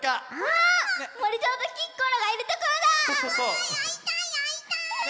あいたいあいたい！